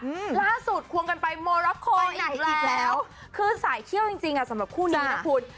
อืมล่าสุดควงกันไปโมร็อกโคไหนอีกแล้วคือสายเชี่ยวจริงจริงอ่ะสำหรับคู่นี้นะคุณ